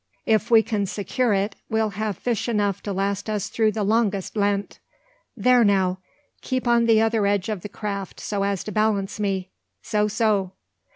If we can secure it, we'll have fish enough to last us through the longest Lent. There now! keep on the other edge of the craft so as to balance me. So so!"